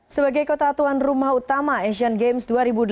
sebagai kota tuan rumah utama asian games dua ribu delapan belas